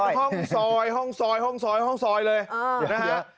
ห้องซอยห้องซอยห้องซอยห้องซอยเลยนะฮะ